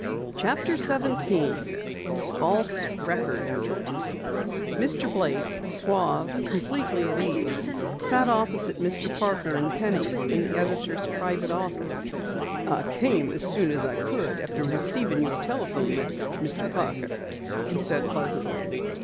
CHAPTER 17 FALSE RECORDS Mr. Blake, suave, completely at ease, sat opposite Mr. Parker and Penny in the editor's private office. "I came as soon as I could after receiving your telephone message, Mr. Parker," he said pleasantly.